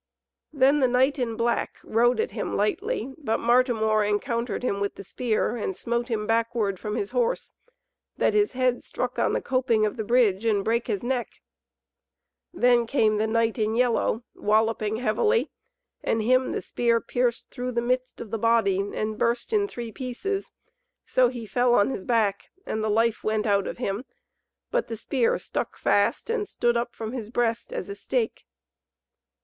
Then the knight in black rode at him lightly, but Martimor encountered him with the spear and smote him backward from his horse, that his head struck the coping of the bridge and brake his neck. Then came the knight in yellow, walloping heavily, and him the spear pierced through the midst of the body and burst in three pieces: so he fell on his back and the life went out of him, but the spear stuck fast and stood up from his breast as a stake.